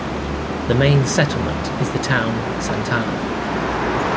The main settlement is the town Santana.